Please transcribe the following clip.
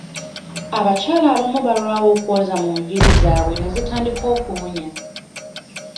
Abakyala abamu balwawo okwoza mu nviiri zaabwe ne zitandika okuwunya.